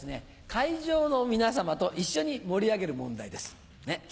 会場の皆さまと一緒に盛り上げる問題です。